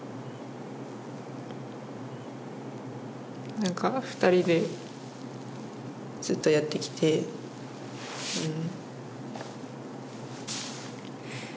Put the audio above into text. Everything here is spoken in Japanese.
何かふたりでずっとやってきてうん。